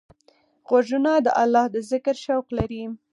غوږونه د الله د ذکر شوق لري